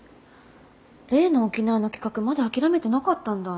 例の沖縄の企画まだ諦めてなかったんだ。